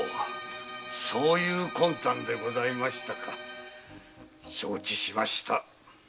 そういう魂胆でございましたか承知しました。